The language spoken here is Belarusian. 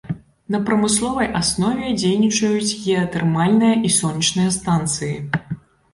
На прамысловай аснове дзейнічаюць геатэрмальныя і сонечныя станцыі.